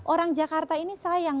orang jakarta ini sayang